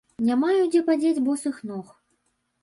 Не маю дзе падзець босых ног.